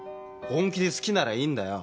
本気で好きならいいんだよ。